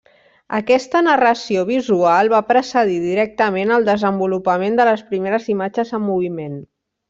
Aquesta narració visual va precedir directament al desenvolupament de les primeres imatges en moviment.